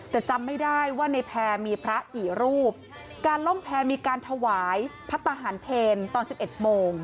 แต่จำไม่ได้ว่าในแพร่มีพระกี่รูปการล่องแพรมีการถวายพระทหารเพลตอนสิบเอ็ดโมง